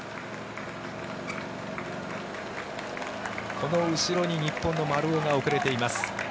この後ろに日本の丸尾が遅れています。